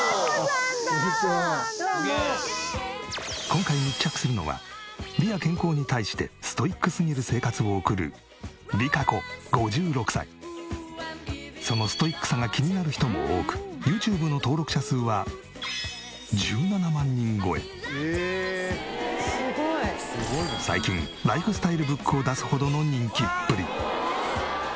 今回密着するのは美や健康に対してストイックすぎる生活を送るそのストイックさが気になる人も多く「へえ」「すごい」最近ライフスタイルブックを出すほどの人気っぷり。